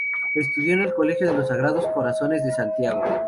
Estudió en el Colegio de los Sagrados Corazones de Santiago.